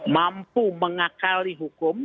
mampu mengakali hukum